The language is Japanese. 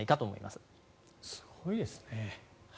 すごいですね。